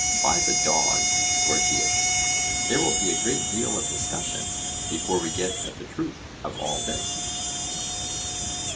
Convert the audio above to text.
By the dog, Gorgias, there will be a great deal of discussion, before we get at the truth of all this.